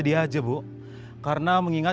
udah saling borolina prefabotasi gini